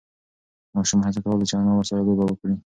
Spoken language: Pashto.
ماشوم هڅه کوله چې انا ورسره لوبه وکړي.